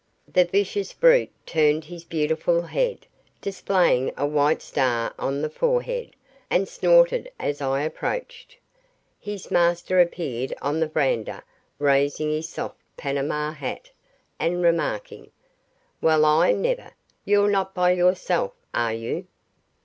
The vicious brute turned his beautiful head, displaying a white star on the forehead, and snorted as I approached. His master appeared on the veranda raising his soft panama hat, and remarking, "Well I never! You're not by yourself, are you?"